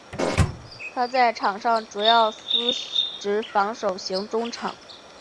他在场上主要司职防守型中场。